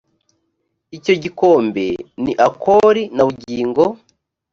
icyo gikombe ni akori na bugingo